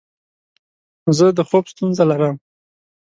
زه د خوب ستونزه لرم.